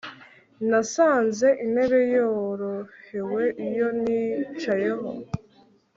Nasanze intebe yorohewe iyo nicayeho